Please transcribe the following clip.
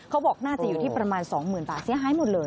เขาบอกน่าจะอยู่ที่ประมาณ๒๐๐๐บาทเสียหายหมดเลย